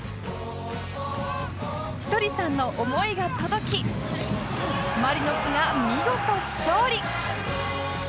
倭文さんの思いが届きマリノスが見事勝利！